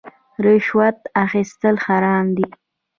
رشوت اخیستل حرام دي